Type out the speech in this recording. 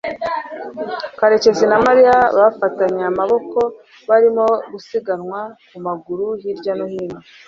karekezi na mariya bafatanye amaboko barimo gusiganwa ku maguru hirya no hino